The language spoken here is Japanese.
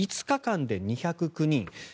５日間で２０９人。